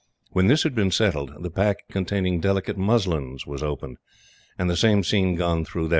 When this had been settled, the pack containing delicate muslins was opened, and the same scene gone through.